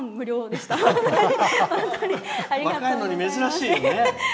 若いのに珍しいね。